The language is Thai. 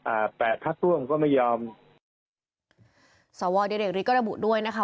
อ่าแปะพระพร่วงก็ไม่ยอมสวเดี๋ยวเด็กฤทธิ์ก็ระบุด้วยนะคะ